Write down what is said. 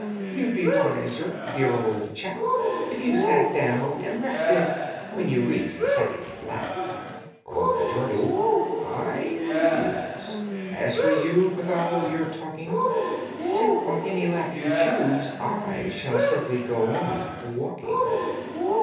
You'd be wiser, dear old chap, If you sat you down and rested When you reach the second lap." Quoth the turtle, "I refuse. As for you, with all your talking, Sit on any lap you choose. I shall simply go on walking."